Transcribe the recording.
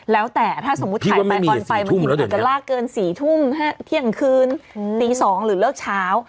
แล้วแต่ถ้าสมมุติถ่ายไปออนไปบางทีมันอาจจะลากเกิน๔ทุ่มเที่ยงคืนตี๒หรือเลิกเช้า